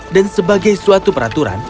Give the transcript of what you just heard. dan sebagai suatu peraturan